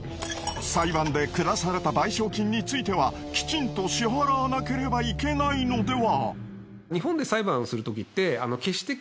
裁判で下された賠償金についてはきちんと支払わなければいけないのでは？